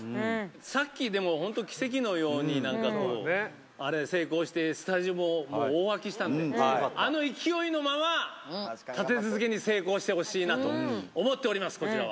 さっきでも本当、奇跡のように、あれ、成功して、スタジオも大沸きしたんで、あの勢いのまま立て続けに成功してほしいなと思っております、こちらは。